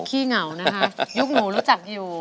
ขี้เหงานะคะยุคหนูรู้จักอยู่